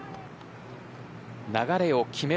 流れを決める